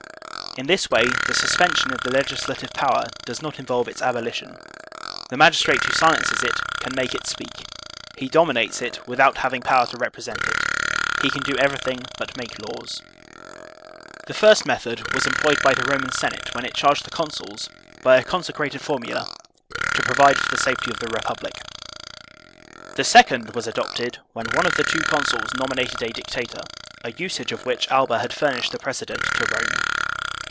In this way the suspension of the legislative power does not involve its abolition; the magistrate who silences it can make it speak; he dominates it without having power to represent it; he can do everything but make laws. The first method was employed by the Roman Senate (III) 112 THE SOCIAL CONTRACT when it charged the consuls, by a consecrated formula, to provide for the safety of the Republic. The second was adopted when one of the two consuls nominated a dictator,* a usage of which Alba had furnished the prec edent to Rome.